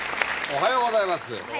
おはようございます。